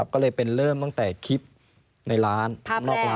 ก็เลยเป็นเริ่มตั้งแต่คลิปในร้านนอกร้าน